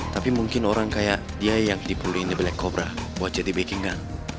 tapi mungkin orang kayak dia yang dipulihin the black cobra buat jadi backing kan